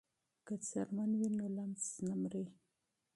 که پوستکی وي نو لمس نه مري.